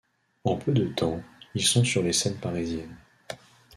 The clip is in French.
En peu de temps, ils sont sur les scènes parisiennes.